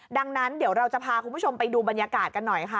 ดังนั้นเดี๋ยวเราจะพาคุณผู้ชมไปดูบรรยากาศกันหน่อยค่ะ